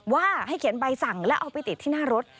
ว่าให้เขียนใบสั่งแล้วเอาไปติดที่หน้ารถ